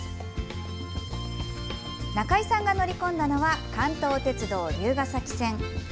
中井さんが乗り込んだのは関東鉄道竜ヶ崎線。